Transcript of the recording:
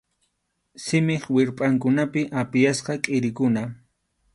Simip wirpʼankunapi apiyasqa kʼirikuna.